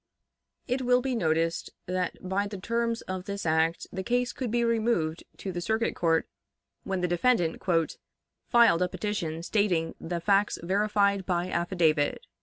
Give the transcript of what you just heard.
It will be noticed that by the terms of this act the case could be removed to the Circuit Court when the defendant "filed a petition stating the facts verified by affidavit."